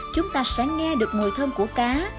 chúng ta sẽ nghe được mùi thơm của cá